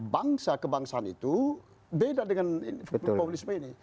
bangsa kebangsaan itu beda dengan populisme ini